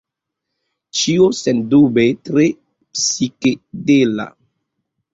Ĉio sendube tre psikedela.